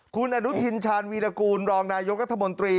คุณอนุทินชาญวีรกูลรองนายกรัฐมนตรี